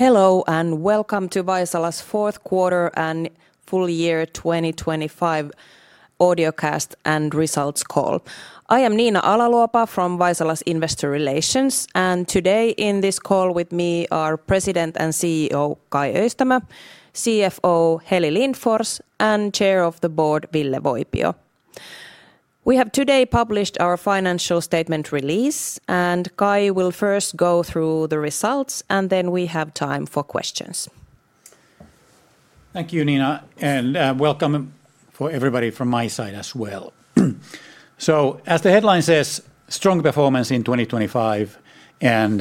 Hello, and welcome to Vaisala's Q4 and Full Year 2025 Audiocast and Results Call. I am Niina Ala-Luopa from Vaisala's Investor Relations, and today in this call with me are President and CEO, Kai Öistämö, CFO, Heli Lindfors, and Chair of the Board, Ville Voipio. We have today published our financial statement release, and Kai will first go through the results, and then we have time for questions. Thank you, Niina, and welcome for everybody from my side as well. So as the headline says, strong performance in 2025, and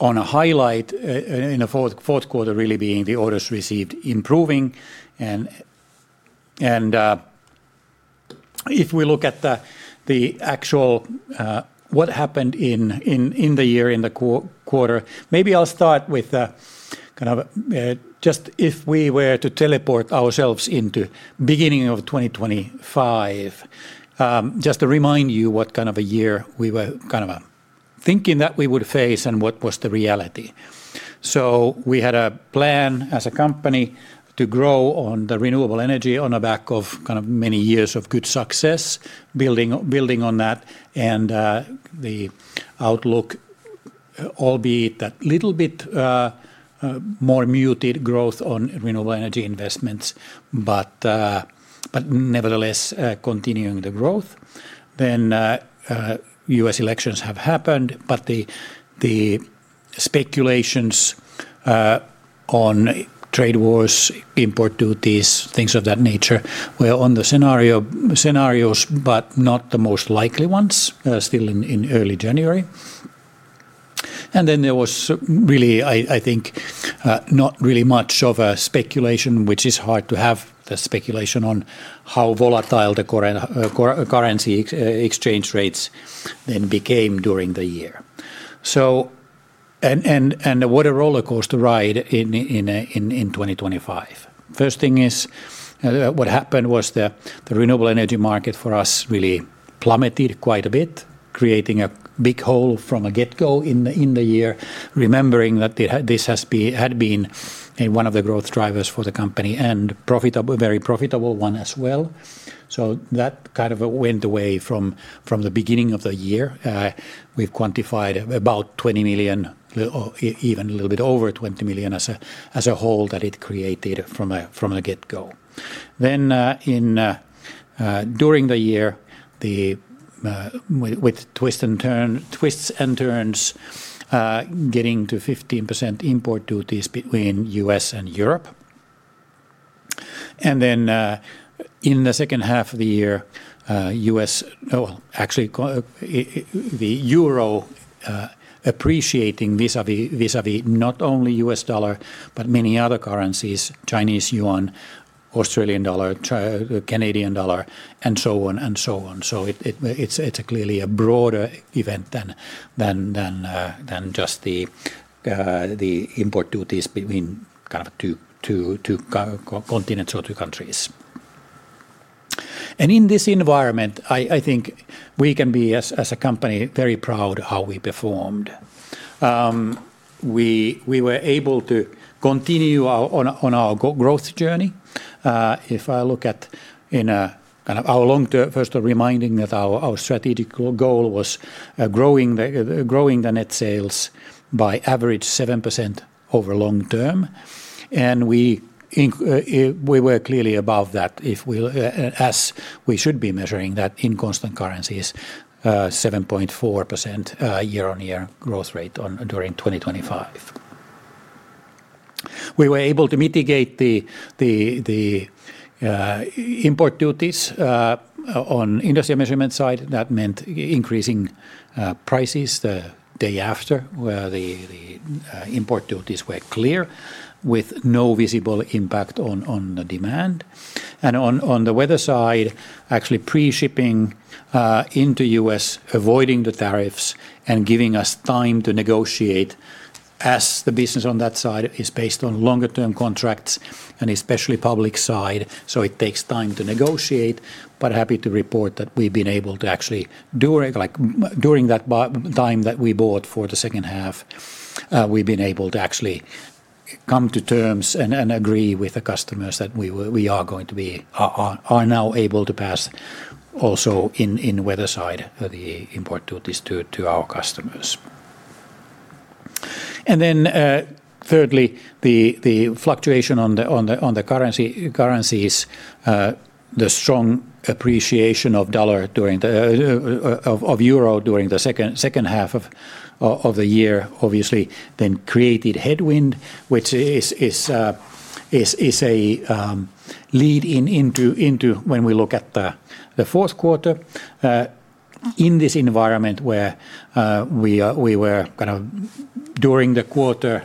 on a highlight in the Q4, really being the orders received improving. And if we look at the actual what happened in the year, in the quarter... Maybe I'll start with kind of just if we were to teleport ourselves into beginning of 2025, just to remind you what kind of a year we were kind of thinking that we would face and what was the reality. So we had a plan as a company to grow on the renewable energy on the back of kind of many years of good success, building on that, and the outlook, albeit a little bit more muted growth on renewable energy investments, but nevertheless continuing the growth. Then U.S. elections have happened, but the speculations on trade wars, import duties, things of that nature, were on the scenarios, but not the most likely ones, still in early January. And then there was really, I think, not really much of a speculation, which is hard to have the speculation on how volatile the currency exchange rates then became during the year. So what a rollercoaster ride in 2025. First thing is, what happened was the, the renewable energy market for us really plummeted quite a bit, creating a big hole from the get-go in the, in the year, remembering that the, this has been, had been, one of the growth drivers for the company and profitable, very profitable one as well. So that kind of went away from, from the beginning of the year. We've quantified about 20 million, or even a little bit over 20 million, as a, as a whole, that it created from a, from the get-go. Then, in, during the year, the, with, with twist and turn, twists and turns, getting to 15% import duties between U.S. and Europe. And then, in the second half of the year, U.S., well, actually, the euro appreciating vis-à-vis, vis-à-vis not only U.S. dollar, but many other currencies, Chinese yuan, Australian dollar, Canadian dollar, and so on and so on. So it, it's a clearly a broader event than, than just the import duties between kind of two continents or two countries. And in this environment, I think we can be, as a company, very proud of how we performed. We were able to continue our growth journey. If I look at in a kind of our long term, first reminding that our strategic goal was growing the net sales by average 7% over long term, and we were clearly above that, as we should be measuring that in constant currencies, 7.4% year-on-year growth rate on during 2025. We were able to mitigate the import duties on industrial measurement side. That meant increasing prices the day after, where the import duties were clear, with no visible impact on the demand. And on the weather side, actually pre-shipping into US, avoiding the tariffs, and giving us time to negotiate, as the business on that side is based on longer term contracts, and especially public side, so it takes time to negotiate. But happy to report that we've been able to actually, during, like, during that time that we bought for the second half, we've been able to actually come to terms and agree with the customers that we are now able to pass also in weather side the import duties to our customers. Then, thirdly, the fluctuation on the currencies, the strong appreciation of the euro during the second half of the year, obviously then created headwind, which is a lead-in into when we look at the Q4. In this environment, where we were kind of during the quarter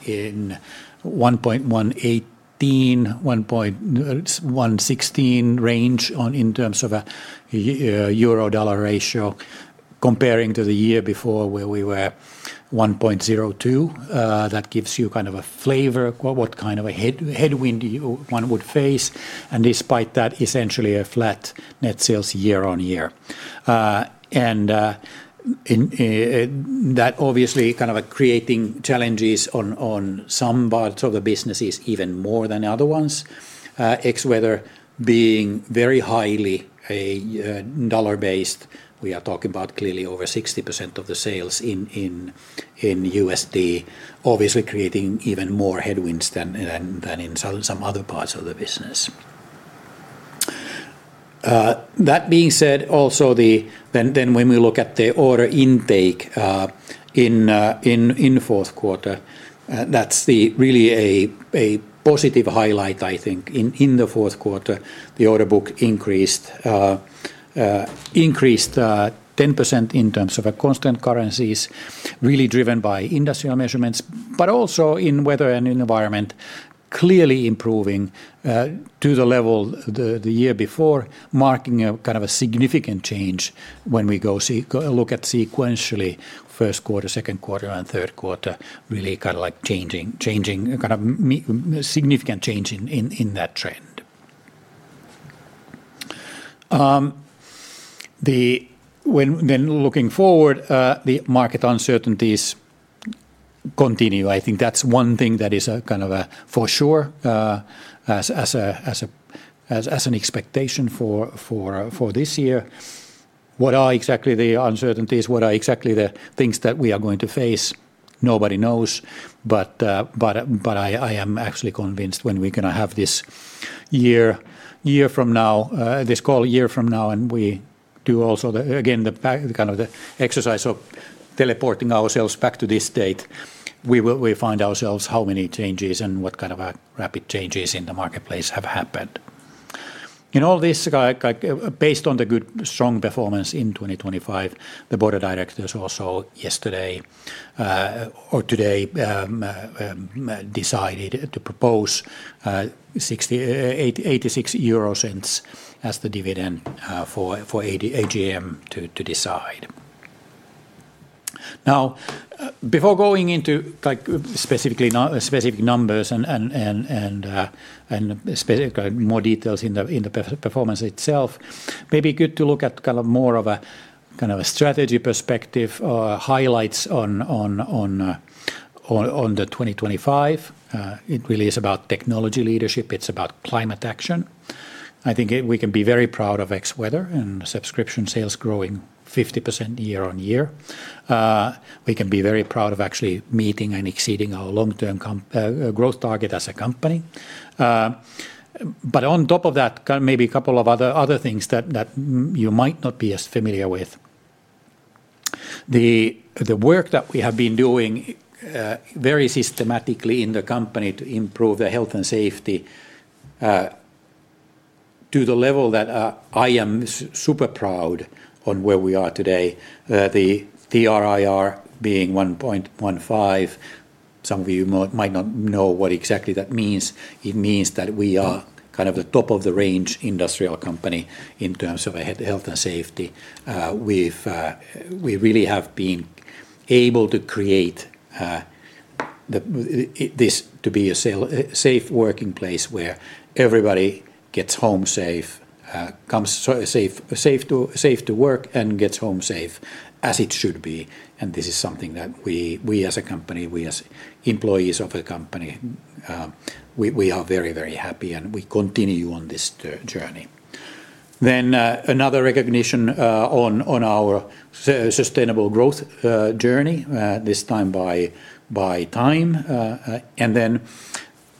in 1.18-1.16 range in terms of euro-dollar ratio, comparing to the year before, where we were 1.02, that gives you kind of a flavor of what kind of a headwind one would face, and despite that, essentially a flat net sales year-on-year... in, that obviously kind of creating challenges on some parts of the businesses even more than other ones. Xweather being very highly a dollar-based, we are talking about clearly over 60% of the sales in USD, obviously creating even more headwinds than in some other parts of the business. That being said, also then when we look at the order intake in Q4, that's really a positive highlight, I think. In the Q4, the order book increased 10% in terms of constant currencies, really driven by industrial measurements, but also in weather and environment, clearly improving to the level the year before, marking a kind of a significant change when we go look at sequentially, Q1, Q2, and Q3, really kind of like changing, significant change in that trend. When looking forward, the market uncertainties continue. I think that's one thing that is kind of a for sure as an expectation for this year. What are exactly the uncertainties? What are exactly the things that we are going to face? Nobody knows, but I am actually convinced when we're gonna have this call a year from now, and we do also the exercise of teleporting ourselves back to this date, we will find ourselves how many changes and what kind of a rapid changes in the marketplace have happened. In all this, based on the good, strong performance in 2025, the board of directors also yesterday or today decided to propose 0.86 as the dividend for the AGM to decide. Now, before going into, like, specifically specific numbers and more details in the performance itself, maybe good to look at kind of more of a, kind of a strategy perspective, highlights on the 2025. It really is about technology leadership. It's about climate action. I think we can be very proud of Xweather and subscription sales growing 50% year-on-year. We can be very proud of actually meeting and exceeding our long-term growth target as a company. But on top of that, kind of maybe a couple of other things that you might not be as familiar with. The work that we have been doing very systematically in the company to improve the health and safety to the level that I am super proud on where we are today, the TRIR being 1.15, some of you might not know what exactly that means. It means that we are kind of the top-of-the-range industrial company in terms of health and safety. We've we really have been able to create this to be a safe working place where everybody gets home safe, comes safe, safe to, safe to work, and gets home safe, as it should be, and this is something that we, we as a company, we as employees of the company, we, we are very, very happy, and we continue on this journey. Then, another recognition on our sustainable growth journey, this time by TIME. And then,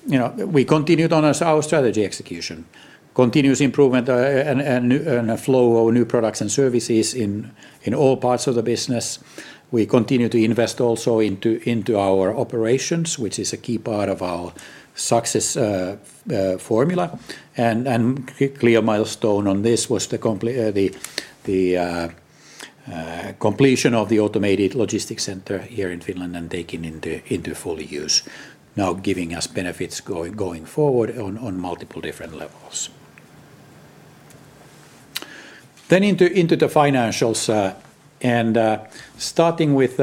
you know, we continued on as our strategy execution, continuous improvement, and a flow of new products and services in all parts of the business. We continue to invest also into our operations, which is a key part of our success formula. And clear milestone on this was the completion of the automated logistics center here in Finland and taking into full use, now giving us benefits going forward on multiple different levels. Then into the financials, and starting with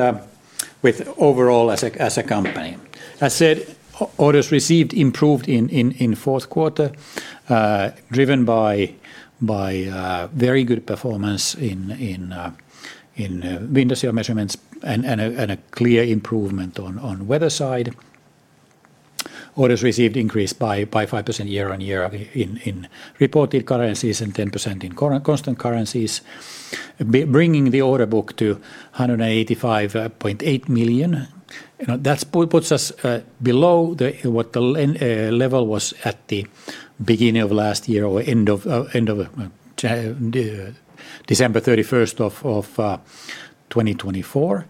overall as a company. As said, orders received improved in Q4, driven by very good performance in industrial measurements and a clear improvement on weather side. Orders received increased by 5% year on year in reported currencies and 10% in constant currencies, bringing the order book to 185.8 million. You know, that puts us below what the level was at the beginning of last year or end of December 31, 2024.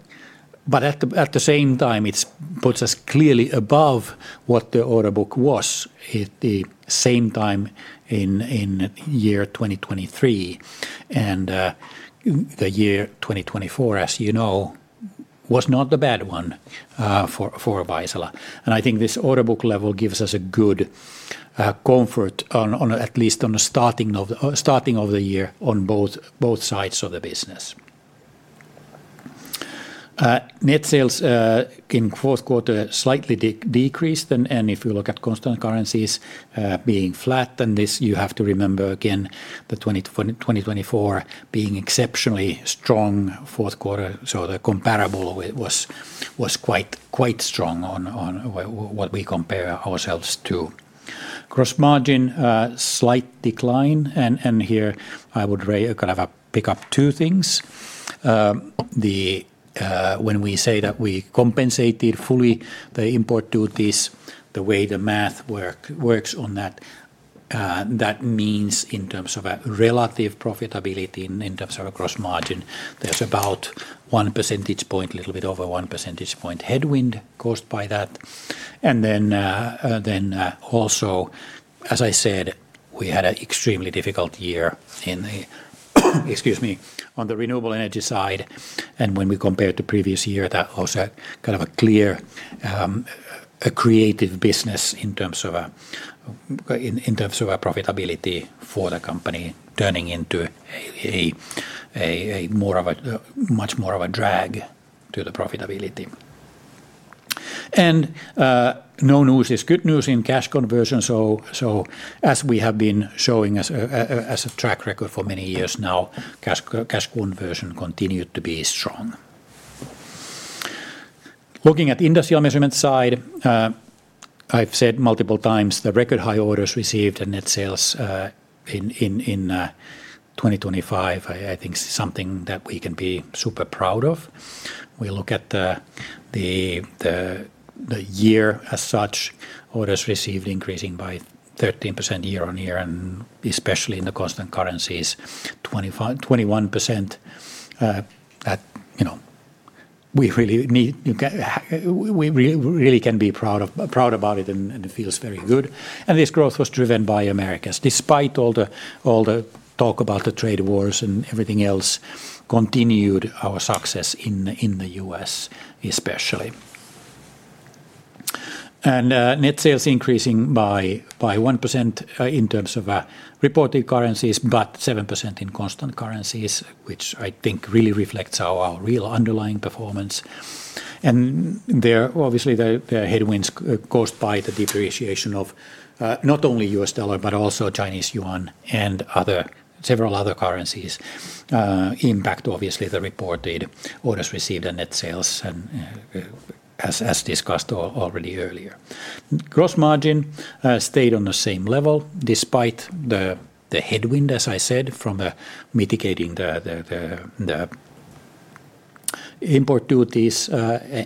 But at the same time, it puts us clearly above what the order book was at the same time in year 2023, and the year 2024, as you know, was not the bad one for Vaisala. I think this order book level gives us a good comfort on at least the starting of the year on both sides of the business. Net sales in Q4 slightly decreased, and if you look at constant currencies being flat, then this you have to remember again, the 2024 being exceptionally strong Q4. So the comparable was quite strong on what we compare ourselves to. Gross margin slight decline, and here I would kind of pick up two things. When we say that we compensated fully the import duties, the way the math works on that, that means in terms of a relative profitability, in terms of gross margin, there's about 1 percentage point, a little bit over 1 percentage point headwind caused by that. And then, also, as I said, we had an extremely difficult year in the, excuse me, on the renewable energy side, and when we compared to previous year, that was a kind of a clear, accretive business in terms of, in terms of our profitability for the company, turning into a more of a, much more of a drag to the profitability. No news is good news in cash conversion, so as we have been showing as a track record for many years now, cash conversion continued to be strong. Looking at the industrial measurement side, I've said multiple times, the record high orders received and net sales in 2025, I think is something that we can be super proud of. We look at the year as such, orders received increasing by 13% year-on-year, and especially in the constant currencies, 21%. That, you know, we really need, we really can be proud about it, and it feels very good. And this growth was driven by Americas. Despite all the, all the talk about the trade wars and everything else, continued our success in the, in the U.S., especially. And net sales increasing by, by 1%, in terms of reported currencies, but 7% in constant currencies, which I think really reflects our, our real underlying performance. And there, obviously, there are headwinds caused by the depreciation of not only U.S. dollar, but also Chinese yuan and other several other currencies impact, obviously, the reported orders received and net sales, and as, as discussed already earlier. Gross margin stayed on the same level despite the headwind, as I said, from mitigating the import duties,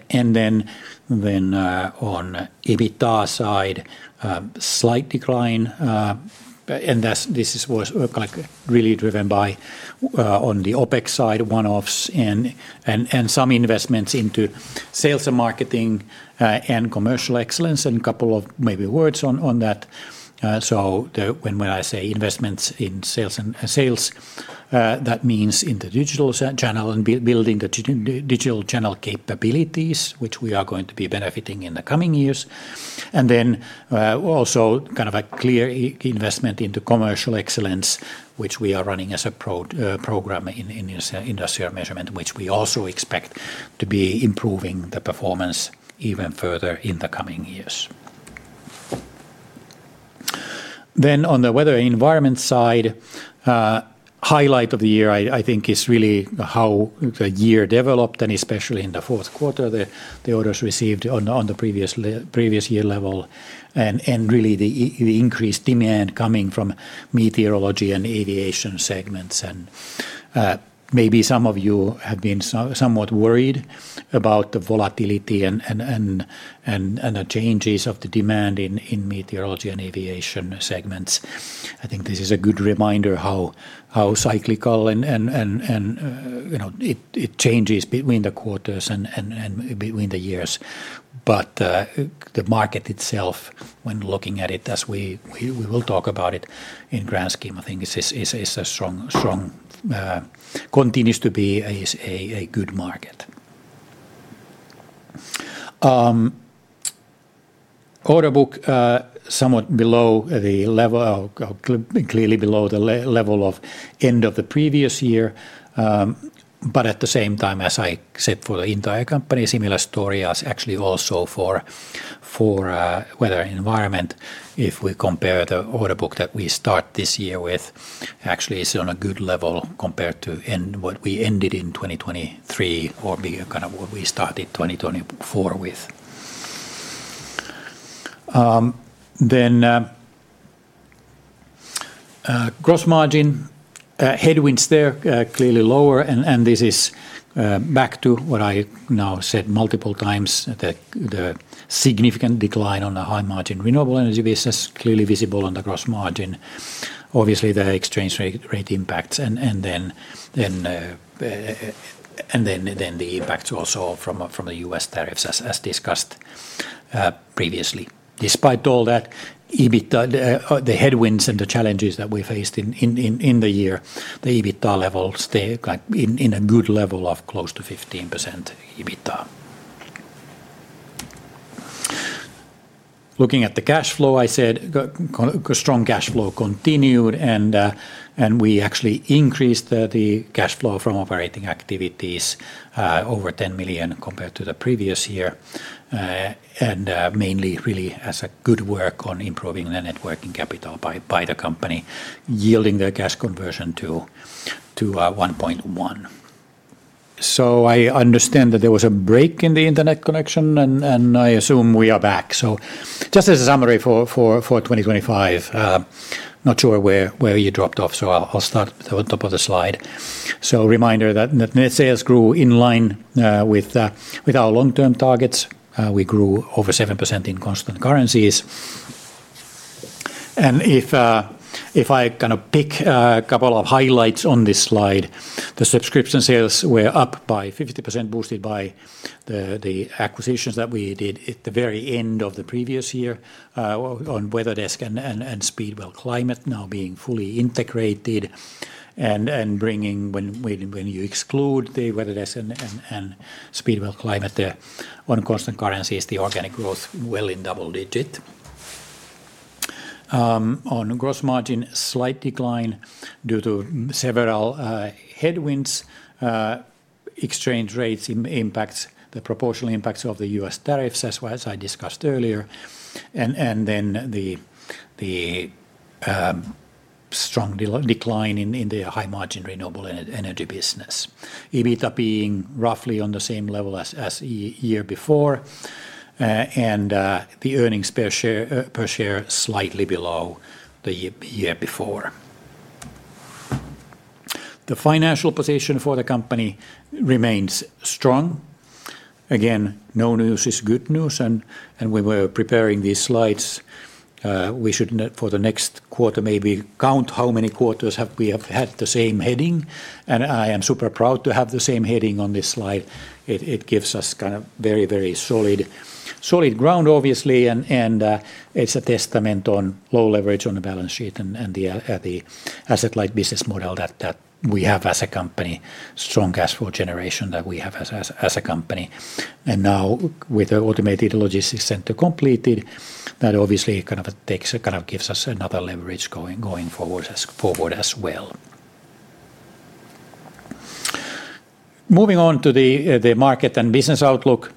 and then on the EBITDA side, slight decline, but that was really driven by on the OpEx side, one-offs and some investments into sales and marketing, and commercial excellence, and a couple of maybe words on that. So when I say investments in sales and sales, that means in the digital channel and building the digital channel capabilities, which we are going to be benefiting in the coming years. And then, also kind of a clear investment into commercial excellence, which we are running as a program in this industrial measurement, which we also expect to be improving the performance even further in the coming years. Then on the weather environment side, highlight of the year, I think, is really how the year developed, and especially in the Q4, the orders received on the previous year level, and really the increased demand coming from meteorology and aviation segments. And, maybe some of you have been somewhat worried about the volatility and the changes of the demand in meteorology and aviation segments. I think this is a good reminder how cyclical and, you know, it changes between the quarters and between the years. But, the market itself, when looking at it, as we will talk about it in grand scheme, I think is a strong continues to be a good market. Order book somewhat below the level, clearly below the level of end of the previous year, but at the same time, as I said, for the entire company, similar story as actually also for weather environment. If we compare the order book that we start this year with, actually is on a good level compared to what we ended in 2023, or be kind of what we started 2024 with. Then, gross margin headwinds there, clearly lower, and this is back to what I now said multiple times, that the significant decline on the high-margin renewable energy business, clearly visible on the gross margin, obviously, the exchange rate impacts, and then the impact also from the U.S. tariffs, as discussed previously. Despite all that, EBITDA, the headwinds and the challenges that we faced in the year, the EBITDA levels stay, like, in a good level of close to 15% EBITDA. Looking at the cash flow, I said, the kind of strong cash flow continued, and we actually increased the cash flow from operating activities over 10 million compared to the previous year. And mainly really as a good work on improving the net working capital by, by the company, yielding the cash conversion to, to, 1.1. So I understand that there was a break in the internet connection, and I assume we are back. So just as a summary for 2025, not sure where you dropped off, so I'll start with the top of the slide. So reminder that net sales grew in line with our long-term targets. We grew over 7% in constant currencies. If I kind of pick a couple of highlights on this slide, the subscription sales were up by 50%, boosted by the acquisitions that we did at the very end of the previous year, on WeatherDesk and Speedwell Climate now being fully integrated and bringing, when you exclude the WeatherDesk and Speedwell Climate, the organic growth on constant currency is well in double digit. On gross margin, slight decline due to several headwinds, exchange rate impacts, the proportional impacts of the U.S. tariffs, as well as I discussed earlier, and then the strong decline in the high-margin renewable energy business. EBITA being roughly on the same level as the year before, and the earnings per share per share slightly below the year before. The financial position for the company remains strong. Again, no news is good news, and when we were preparing these slides, we should not for the next quarter, maybe count how many quarters we have had the same heading, and I am super proud to have the same heading on this slide. It gives us kind of very solid ground, obviously, and it's a testament on low leverage on the balance sheet and the asset-light business model that we have as a company, strong cash flow generation that we have as a company. And now with the automated logistics center completed, that obviously kind of takes a... kind of gives us another leverage going forward as well. Moving on to the market and business outlook.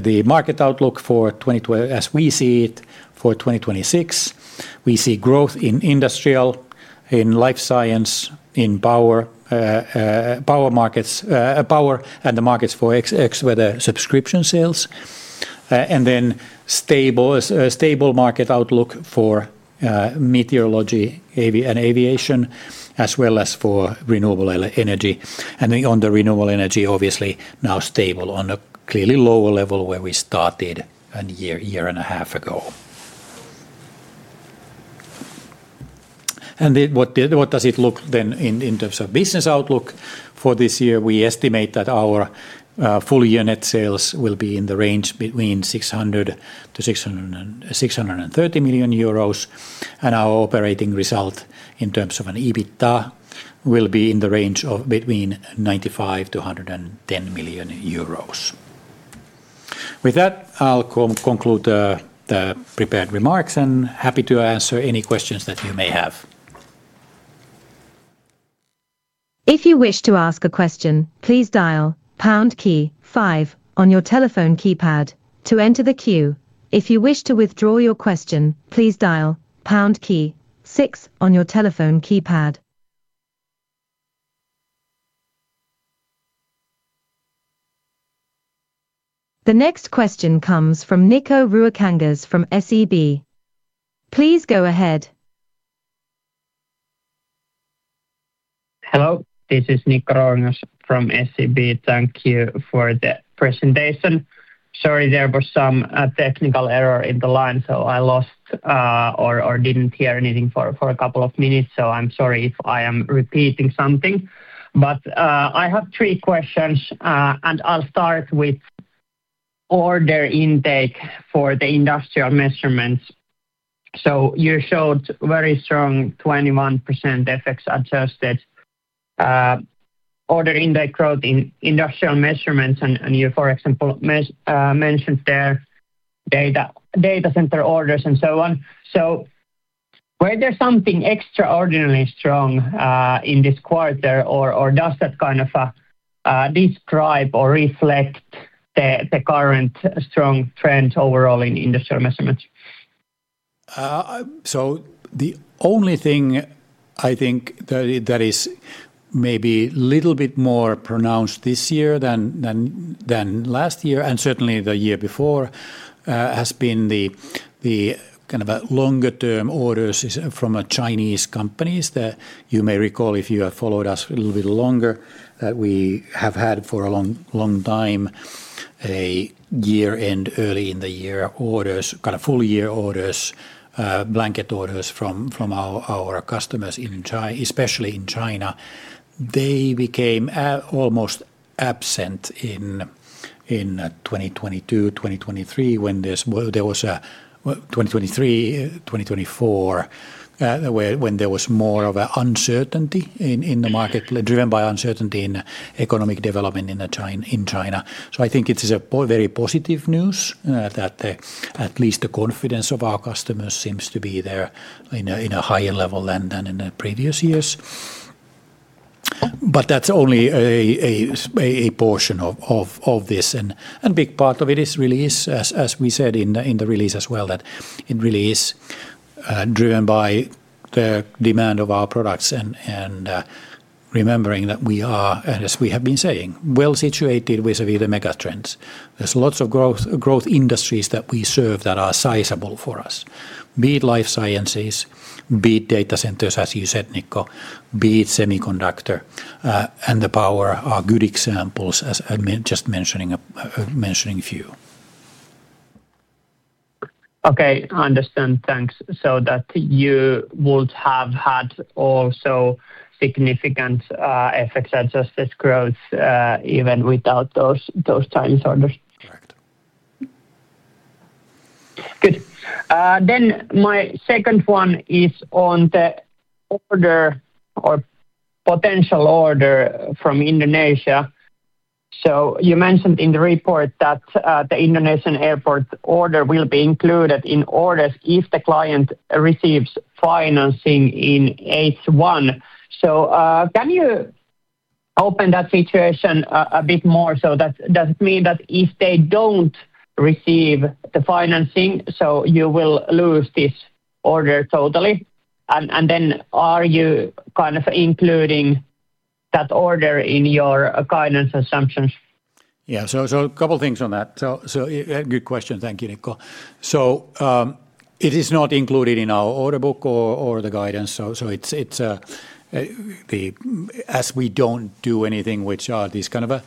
The market outlook for 2026, as we see it, we see growth in industrial, in life science, in power, power markets, power and the markets for Xweather subscription sales, and then stable market outlook for meteorology and aviation, as well as for renewable energy. And on the renewable energy, obviously now stable on a clearly lower level where we started a year and a half ago. And what does it look like then in terms of business outlook? For this year, we estimate that our full year net sales will be in the range between 600-630 million euros, and our operating result in terms of an EBITDA will be in the range of between 95-110 million euros. With that, I'll conclude the prepared remarks, and happy to answer any questions that you may have. If you wish to ask a question, please dial pound key five on your telephone keypad to enter the queue. If you wish to withdraw your question, please dial pound key six on your telephone keypad. The next question comes from Nico Ruokangas from SEB. Please go ahead. Hello, this is Nico Ruokangas from SEB. Thank you for the presentation. Sorry, there was some technical error in the line, so I lost or didn't hear anything for a couple of minutes, so I'm sorry if I am repeating something. But I have three questions, and I'll start with order intake for the industrial measurements. So you showed very strong 21% FX-adjusted order intake growth in industrial measurements, and you, for example, mentioned their data center orders and so on. So were there something extraordinarily strong in this quarter? Or does that kind of describe or reflect the current strong trends overall in industrial measurements? So the only thing I think that is maybe little bit more pronounced this year than last year, and certainly the year before, has been the kind of longer-term orders from a Chinese companies, that you may recall, if you have followed us a little bit longer, that we have had for a long, long time, a year-end, early in the year orders, kind of full-year orders, blanket orders from our customers in especially in China. They became almost absent in 2022, 2023, when there was... well, 2023, 2024, when there was more of a uncertainty in the market, driven by uncertainty in economic development in China. So I think it is very positive news that at least the confidence of our customers seems to be there in a higher level than in the previous years. But that's only a portion of this. And big part of it really is, as we said in the release as well, that it really is driven by the demand of our products and remembering that we are, as we have been saying, well-situated vis-a-vis the mega trends. There's lots of growth industries that we serve that are sizable for us, be it life sciences, be it data centers, as you said, Nico, be it semiconductor and the power are good examples, as I mentioned, just mentioning a few. Okay, understand. Thanks. So that you would have had also significant FX adjusted growth, even without those times orders? Correct. Good. Then my second one is on the order or potential order from Indonesia. So you mentioned in the report that the Indonesian airport order will be included in orders if the client receives financing in H1. So, can you open that situation a bit more? So that does it mean that if they don't receive the financing, so you will lose this order totally? And then are you kind of including that order in your guidance assumptions? Yeah, so a couple things on that. Good question. Thank you, Nico. So, it is not included in our order book or the guidance. So, it's the... As we don't do anything which are these kind of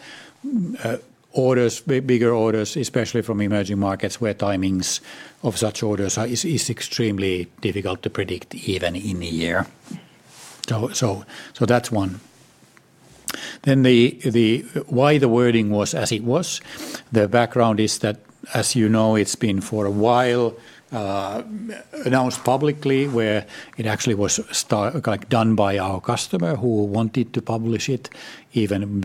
orders, bigger orders, especially from emerging markets, where timings of such orders are extremely difficult to predict even in a year. So that's one. Then why the wording was as it was, the background is that, as you know, it's been for a while announced publicly, where it actually was started, like, done by our customer who wanted to publish it even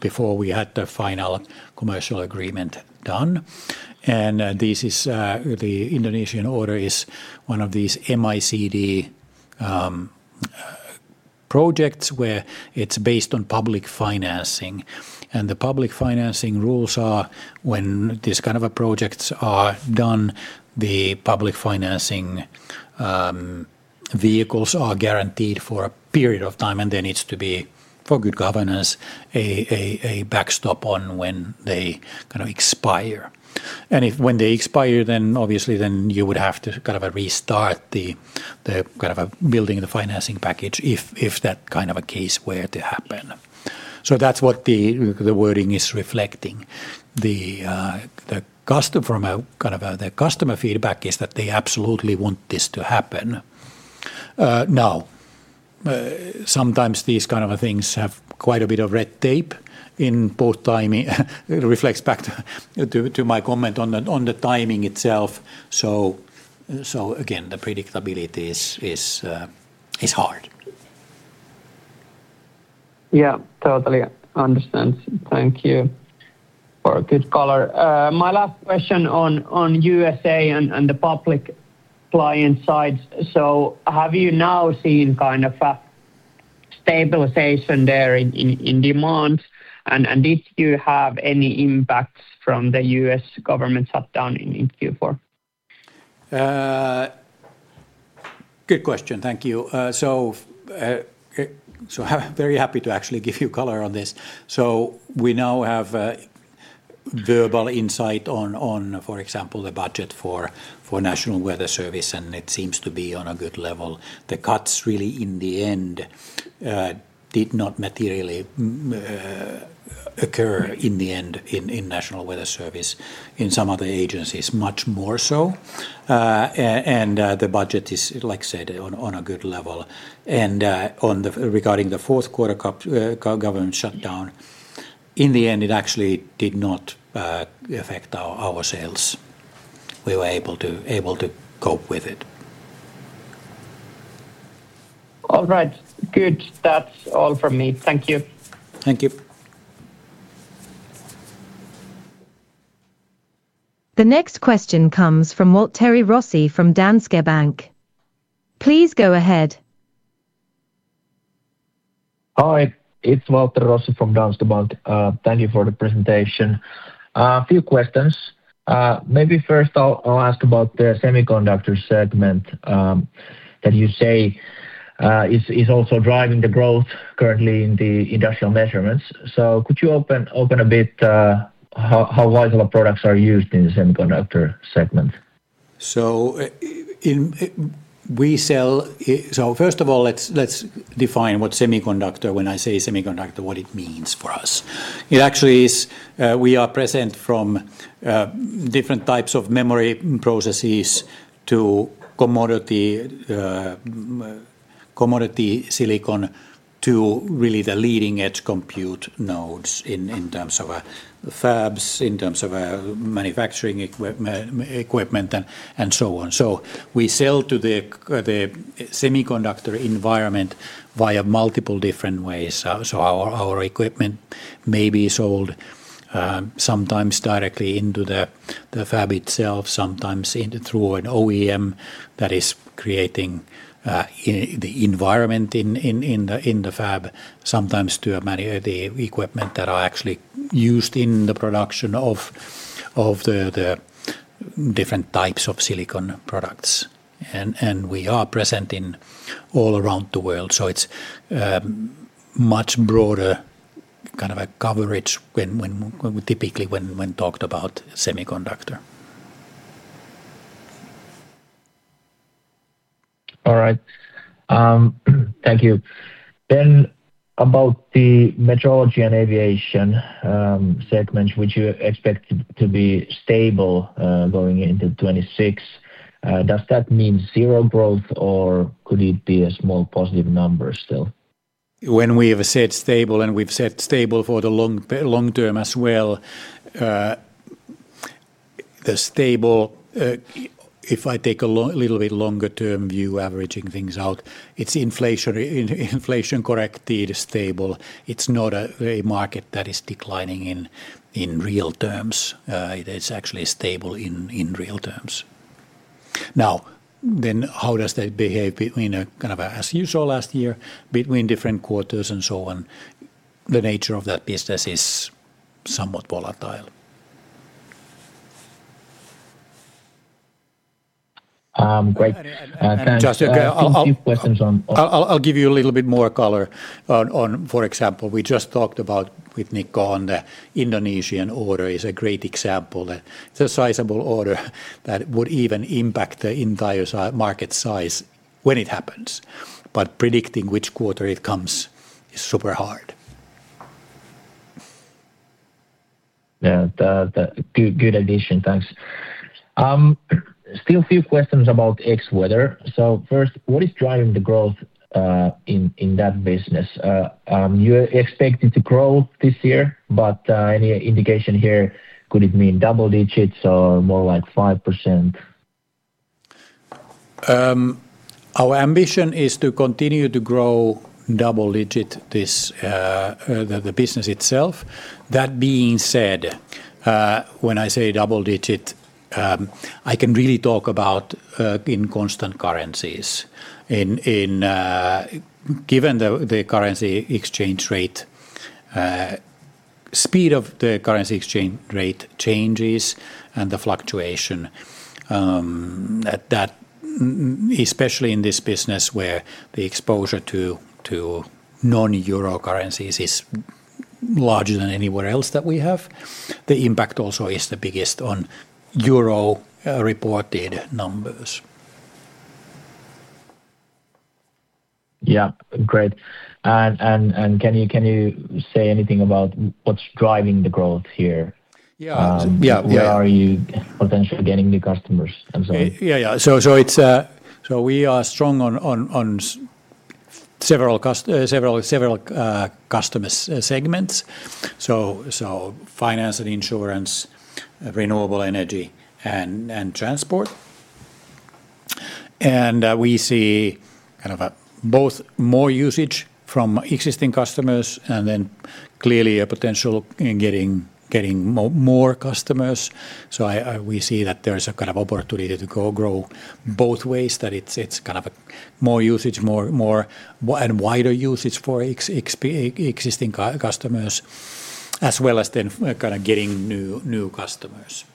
before we had the final commercial agreement done. And this is the Indonesian order is one of these mixed credit projects, where it's based on public financing. The public financing rules are when these kind of projects are done, the public financing vehicles are guaranteed for a period of time, and there needs to be, for good governance, a backstop on when they kind of expire. And if they expire, then obviously you would have to kind of restart the kind of building the financing package if that kind of a case were to happen. So that's what the wording is reflecting. The custom from a kind of the customer feedback is that they absolutely want this to happen. Now, sometimes these kind of things have quite a bit of red tape in both timing. It reflects back to my comment on the timing itself. So again, the predictability is hard. Yeah, totally understand. Thank you for a good color. My last question on USA and the public client side: so have you now seen kind of a stabilization there in demands, and did you have any impacts from the U.S. government shutdown in Q4? Good question. Thank you. So I'm very happy to actually give you color on this. We now have a verbal insight on, for example, the budget for National Weather Service, and it seems to be on a good level. The cuts really, in the end, did not materially occur in National Weather Service, in some other agencies, much more so. And the budget is, like I said, on a good level. Regarding the Q4 government shutdown, in the end, it actually did not affect our sales. We were able to cope with it. All right. Good. That's all from me. Thank you. Thank you. The next question comes from Valter Rossi from Danske Bank. Please go ahead. Hi, it's Valter Rossi from Danske Bank. Thank you for the presentation. A few questions. Maybe first I'll ask about the semiconductor segment that you say is also driving the growth currently in the industrial measurements. So could you open a bit how Vaisala products are used in the semiconductor segment? So first of all, let's define what semiconductor, when I say semiconductor, what it means for us. It actually is, we are present from different types of memory processes to commodity silicon to really the leading-edge compute nodes in terms of fabs, in terms of manufacturing equipment, and so on. So we sell to the semiconductor environment via multiple different ways. So our equipment may be sold, sometimes directly into the fab itself, sometimes in through an OEM that is creating the environment in the fab, sometimes to the equipment that are actually used in the production of the different types of silicon products. We are present in all around the world, so it's much broader kind of a coverage when we typically talked about semiconductor. All right. Thank you. Then about the metrology and aviation segments, which you expect to be stable going into 2026, does that mean zero growth, or could it be a small positive number still? When we have said stable, and we've said stable for the long term as well, the stable, if I take a little bit longer term view, averaging things out, it's inflationary inflation-corrected stable. It's not a market that is declining in real terms. It is actually stable in real terms. Now, then, how does that behave between a kind of a, as you saw last year, between different quarters and so on? The nature of that business is somewhat volatile. Great. Thanks- Just, okay, I'll A few questions on I'll give you a little bit more color on. For example, we just talked about with Nico on the Indonesian order is a great example. That it's a sizable order that would even impact the entire si- market size when it happens, but predicting which quarter it comes is super hard. Yeah, the good addition. Thanks. Still a few questions about Xweather. So first, what is driving the growth in that business? You expect it to grow this year, but any indication here, could it mean double digits or more like 5%? Our ambition is to continue to grow double-digit, the business itself. That being said, when I say double-digit, I can really talk about in constant currencies. Given the currency exchange rate, speed of the currency exchange rate changes and the fluctuation, that especially in this business, where the exposure to non-euro currencies is larger than anywhere else that we have, the impact also is the biggest on euro-reported numbers. Yeah. Great. And can you say anything about what's driving the growth here? Yeah. Yeah, yeah. Where are you potentially getting new customers and so on? Yeah, yeah. So it's... So we are strong on several customer segments, so finance and insurance, renewable energy, and transport. And we see kind of both more usage from existing customers, and then clearly a potential in getting more customers. So we see that there's a kind of opportunity to grow both ways, that it's kind of a more usage, more and wider usage for existing customers, as well as then kind of getting new customers.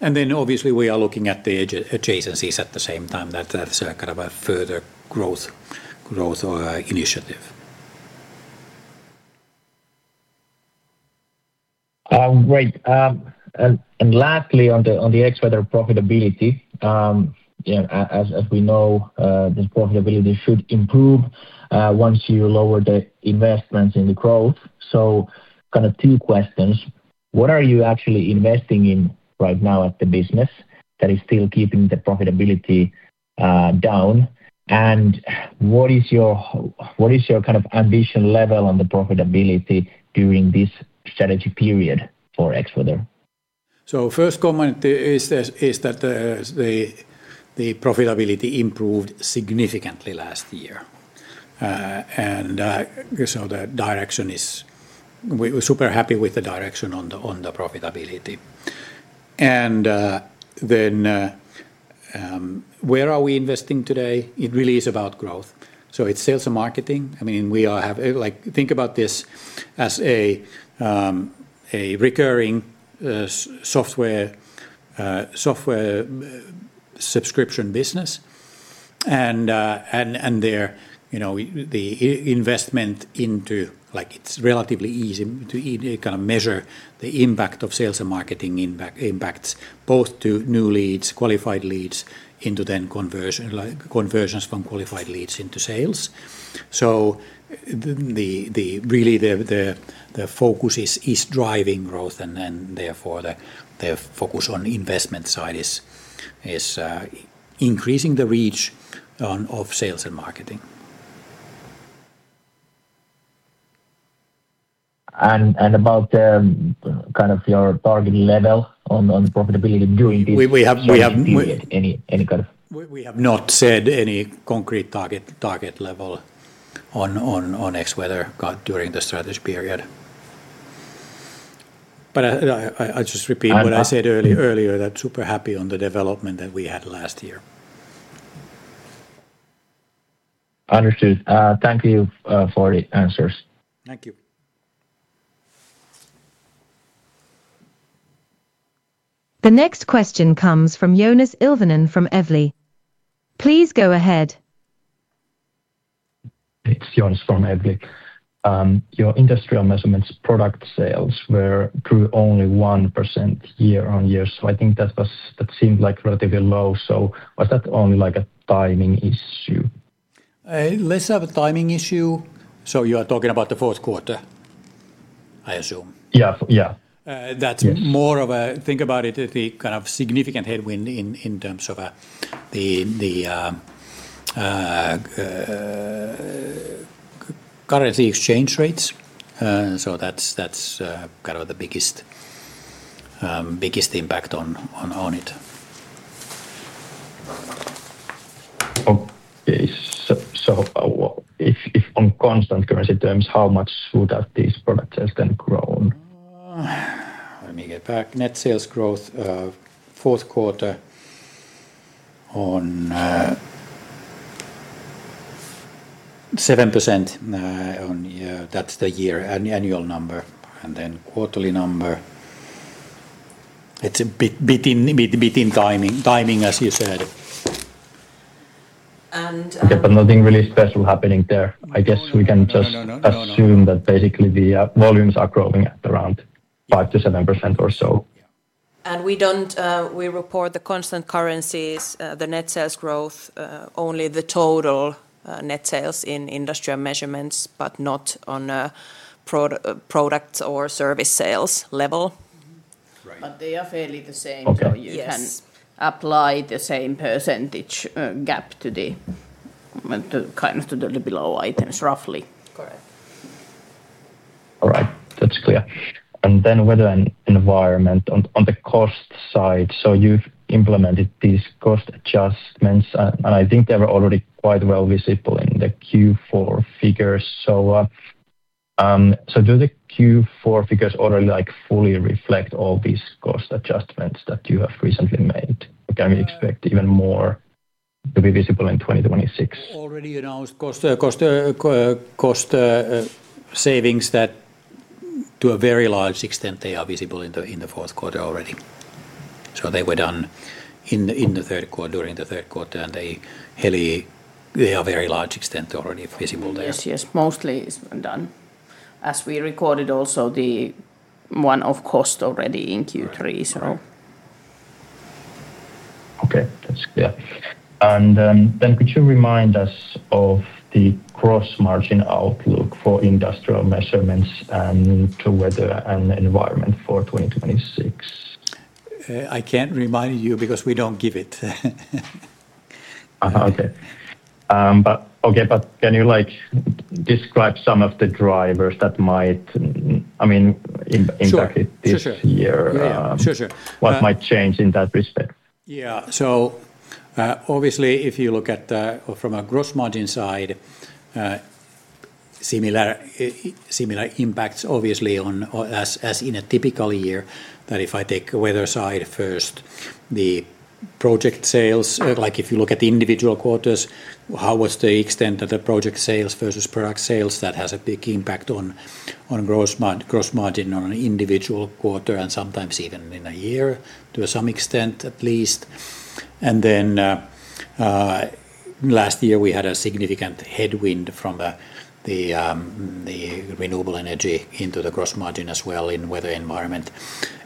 And then obviously, we are looking at the adjacencies at the same time, that is a kind of a further growth initiative. Great. And lastly, on the Xweather profitability, yeah, as we know, this profitability should improve once you lower the investments in the growth. So kind of two questions: What are you actually investing in right now at the business that is still keeping the profitability down? And what is your kind of ambition level on the profitability during this strategy period for Xweather? So first comment is that the profitability improved significantly last year. And so the direction is. We're super happy with the direction on the profitability. And then where are we investing today? It really is about growth, so it's sales and marketing. I mean, we all have like think about this as a recurring software subscription business. And there, you know, the investment into like it's relatively easy to kind of measure the impact of sales and marketing impacts both to new leads, qualified leads, into then conversion like conversions from qualified leads into sales. So really, the focus is driving growth, and then, therefore, the focus on investment side is increasing the reach of sales and marketing. And about the kind of your target level on profitability during this- We have Any, any kind of? We have not said any concrete target level on Xweather during the strategy period. But I just repeat what I said earlier that super happy on the development that we had last year. Understood. Thank you for the answers. Thank you. The next question comes from Joonas Ilvonen from Evli. Please go ahead. It's Jonas from Evli. Your industrial measurements product sales grew only 1% year-on-year, so I think that seemed, like, relatively low. So was that only, like, a timing issue? Less of a timing issue. So you are talking about the Q4, I assume? Yeah, yeah. Uh, that's- Yes Think about it as the kind of significant headwind in terms of the currency exchange rates. So that's kind of the biggest impact on it. Okay. So, if on constant currency terms, how much would have these product sales then grown? Let me get back. Net sales growth, Q4 on 7%, on year. That's the year, annual number, and then quarterly number, it's a bit in timing, as you said. And, uh- Okay, but nothing really special happening there? I guess we can just- No, no, no, no, no. Assume that basically the volumes are growing at around 5%-7% or so. We report the constant currencies, the net sales growth, only the total net sales in industrial measurements, but not on a products or service sales level. Right. But they are fairly the same. Okay. Yes. You can apply the same percentage gap to the below items, roughly. Correct. All right. That's clear. And then weather and environment, on the cost side, so you've implemented these cost adjustments, and I think they were already quite well visible in the Q4 figures. So, so do the Q4 figures already, like, fully reflect all these cost adjustments that you have recently made? Or can we expect even more to be visible in 2026? Already announced cost savings that, to a very large extent, they are visible in the Q4r already. So they were done in the Q3, during the Q3, and they really... They are a very large extent already visible there. Yes, yes, mostly it's been done. As we recorded also the one-off cost already in Q3, so. Okay, that's clear. And, then could you remind us of the gross margin outlook for industrial measurements and to weather and environment for 2026? I can't remind you because we don't give it. Okay. But okay, but can you, like, describe some of the drivers that might, I mean, im- Sure Impact it this year? Sure, sure. Yeah, yeah. Sure, sure. What might change in that respect? Yeah. So, obviously, if you look at from a gross margin side, similar, similar impacts obviously on, or as, as in a typical year, that if I take weather side first, the project sales... Like, if you look at the individual quarters, how was the extent of the project sales versus product sales? That has a big impact on gross margin on an individual quarter, and sometimes even in a year, to some extent, at least. And then, last year, we had a significant headwind from the renewable energy into the gross margin as well in weather environment.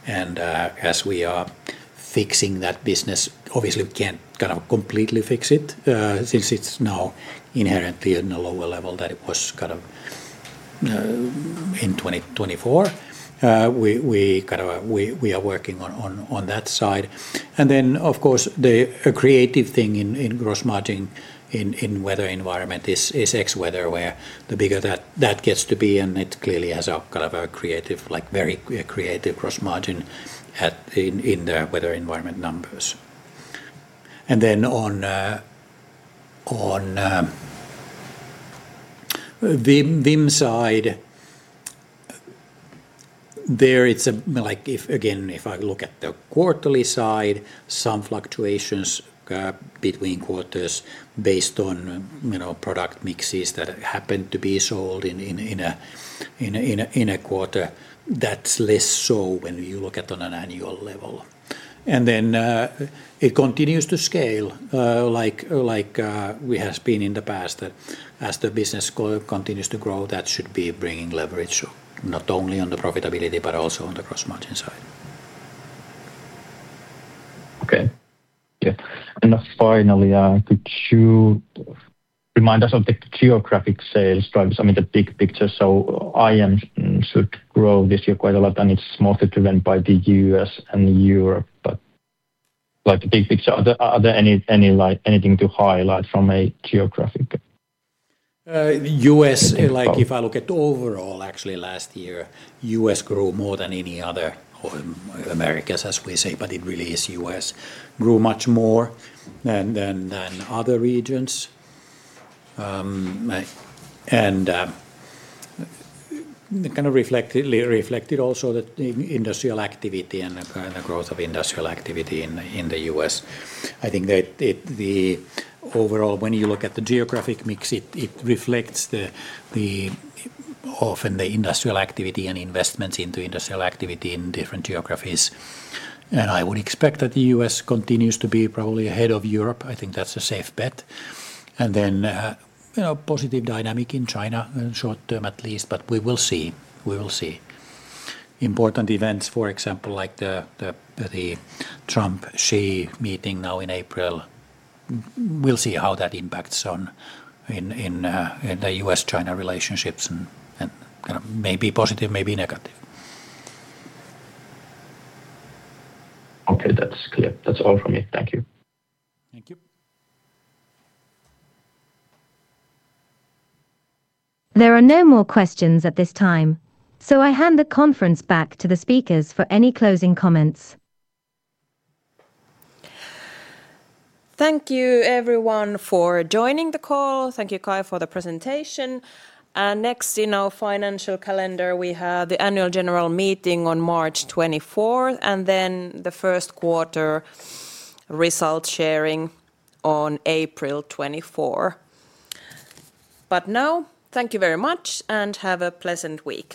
And, as we are fixing that business, obviously we can't, kind of, completely fix it, since it's now inherently in a lower level than it was, kind of, in 2024. We kind of are working on that side. And then, of course, the creative thing in gross margin in weather environment is Xweather, where the bigger that gets to be, and it clearly has a kind of accretive, like, very creative gross margin in the weather environment numbers. And then on VIM side, there it's like, if again, if I look at the quarterly side, some fluctuations between quarters based on, you know, product mixes that happen to be sold in a quarter, that's less so when you look at an annual level. And then, it continues to scale, like, like, we has been in the past, that as the business growth continues to grow, that should be bringing leverage, so not only on the profitability, but also on the gross margin side. Okay. Yeah, and finally, could you remind us of the geographic sales drivers? I mean, the big picture, so IM should grow this year quite a lot, and it's mostly driven by the U.S. and Europe, but, like, the big picture, are there any, like, anything to highlight from a geographic? the US- Yeah... like, if I look at overall, actually last year, US grew more than any other, or Americas, as we say, but it really is US, grew much more than other regions. And kind of reflected also the industrial activity and the growth of industrial activity in the US. I think that it, the overall, when you look at the geographic mix, it reflects the often the industrial activity and investments into industrial activity in different geographies. And I would expect that the US continues to be probably ahead of Europe. I think that's a safe bet. And then, you know, positive dynamic in China, in short term at least, but we will see. We will see. Important events, for example, like the Trump-Xi meeting now in April, we'll see how that impacts on in the U.S.-China relationships and kind of may be positive, may be negative. Okay, that's clear. That's all from me. Thank you. Thank you. There are no more questions at this time, so I hand the conference back to the speakers for any closing comments. Thank you everyone for joining the call. Thank you, Kai, for the presentation. Next in our financial calendar, we have the Annual General Meeting on March 24th, and then the Q1 result sharing on April 24. But now, thank you very much, and have a pleasant week.